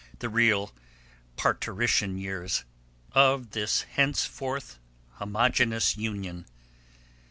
. the real parturition years ... of this henceforth homogeneous Union.